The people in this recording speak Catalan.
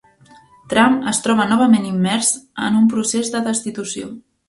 Trump es troba novament immers en un procés de destitució